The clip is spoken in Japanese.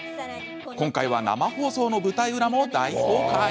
今回は、生放送の舞台裏も大公開。